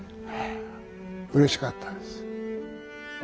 うれしかったです。